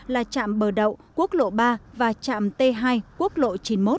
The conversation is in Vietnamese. là trạm bờ đậu quốc lộ ba và trạm t hai quốc lộ chín mươi một